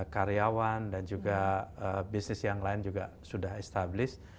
karyawan dan juga bisnis yang lain juga sudah established